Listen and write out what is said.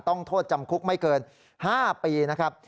ต้องโทษจำคุกไม่เกิน๕ปีนะครับ